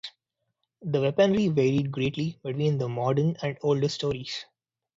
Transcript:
The weaponry varied greatly between the modern and older stories.